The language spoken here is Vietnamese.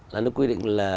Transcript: là nó quy định là